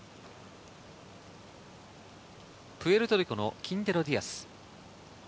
プエルトリコのキンテロ・ディアス。